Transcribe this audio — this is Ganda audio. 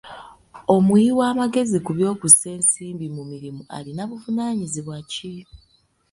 Omuwi w'amagezi ku by'okussa ensimbi mu mirimu alina buvunaanyizibwa ki?